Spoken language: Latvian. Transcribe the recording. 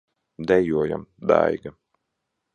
Dejojam, Daiga!